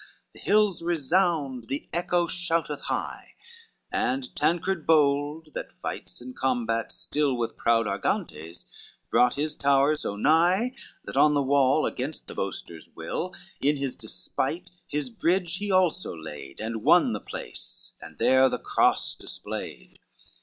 The hills resound, the echo showereth high, And Tancred bold, that fights and combats still With proud Argantes, brought his tower so nigh, That on the wall, against the boaster's will, In his despite, his bridge he also laid, And won the place, and there the cross displayed.